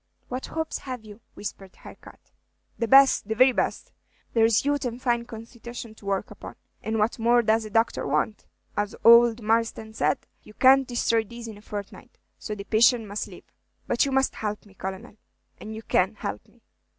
"What hopes have you?" whispered Harcourt. "The best, the very best. There 's youth and a fine constitution to work upon; and what more does a doctor want? As ould Marsden said, 'You can't destroy these in a fortnight, so the patient must live.' But you must help me, Colonel, and you can help me."